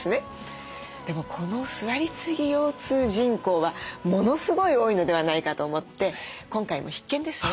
でもこの座りすぎ腰痛人口はものすごい多いのではないかと思って今回も必見ですね。